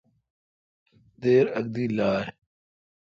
دیر اک دی لائ۔